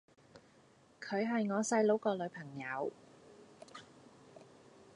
佢係我細佬個女朋友